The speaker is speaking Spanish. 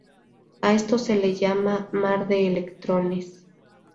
A esto se le llama "mar de electrones".